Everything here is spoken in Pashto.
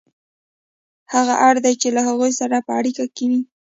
هغه اړ دی چې له هغوی سره په اړیکه کې وي